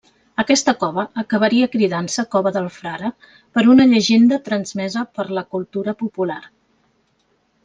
Aquesta cova acabaria cridant-se Cova del Frare, per una llegenda transmesa per la cultura popular.